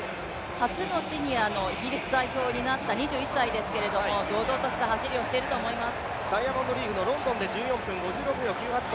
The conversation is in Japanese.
初のシニアのイギリス代表になった２１歳ですけれども、堂々とした走りをしていると思います。